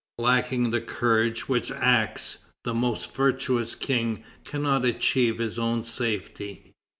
Lacking the courage which acts, the most virtuous king cannot achieve his own safety."